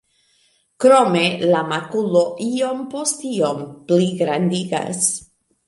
Krome la makulo iom post iom pligrandigas.